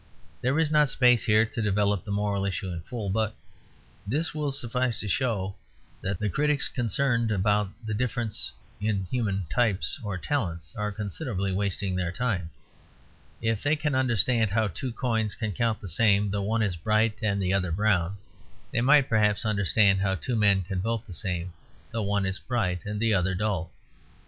There is not space here to develop the moral issue in full, but this will suffice to show that the critics concerned about the difference in human types or talents are considerably wasting their time. If they can understand how two coins can count the same though one is bright and the other brown, they might perhaps understand how two men can vote the same though one is bright and the other dull.